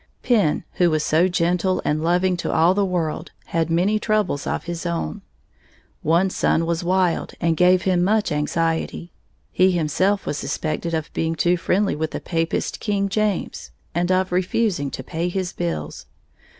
Penn, who was so gentle and loving to all the world, had many troubles of his own. One son was wild and gave him much anxiety. He himself was suspected of being too friendly with the papist King James, and of refusing to pay his bills.